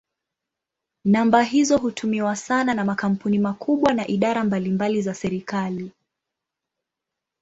Namba hizo hutumiwa sana na makampuni makubwa na idara mbalimbali za serikali.